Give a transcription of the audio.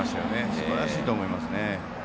すばらしいと思います。